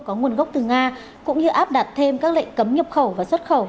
có nguồn gốc từ nga cũng như áp đặt thêm các lệnh cấm nhập khẩu và xuất khẩu